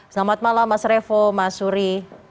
selamat malam mas revo mas suri